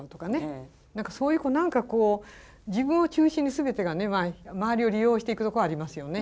そういう何かこう自分を中心に全てがね周りを利用していくとこありますよね。